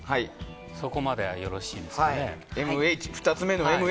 そこまではよろしいですか？